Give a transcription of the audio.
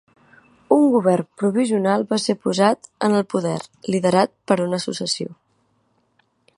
Un govern provisional va ser posat en el poder, liderat per una successió.